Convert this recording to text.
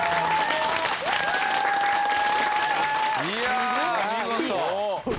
いやあ見事！